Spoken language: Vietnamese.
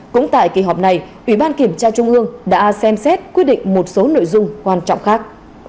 cũng tại kỳ họp này ủy ban kiểm tra trung ương đã xem xét quyết định một số nội dung quan trọng khác